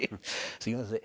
すみません。